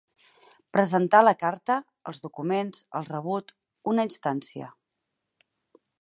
Presentar la carta, els documents, el rebut, una instància.